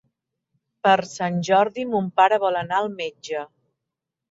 Per Sant Jordi mon pare vol anar al metge.